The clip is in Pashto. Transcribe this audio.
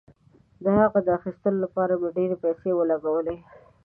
د هغه د اخیستلو لپاره مې ډیرې پیسې ولګولې.